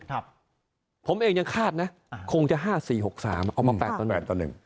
ครับผมเองยังคาดนะคงจะ๕๔๖๓เอามาแปดต่อหนึ่ง